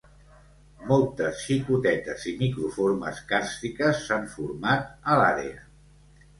Moltes xicotetes i microformes càrstiques s'han format a l'àrea.